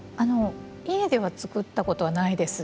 家では作ったことはないです。